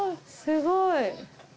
すごい。